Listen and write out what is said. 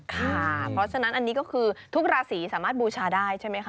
ค่ะเพราะฉะนั้นอันนี้ก็คือทุกราศีสามารถบูชาได้ใช่ไหมคะ